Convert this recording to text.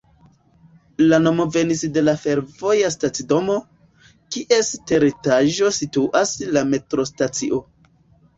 La nomo venis de la fervoja stacidomo, kies teretaĝo situas la metrostacio.